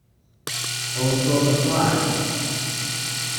Or drop a prize.